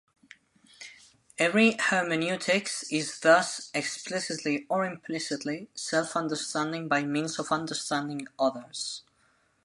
Every hermeneutics is thus, explicitly or implicitly, self-understanding by means of understanding others.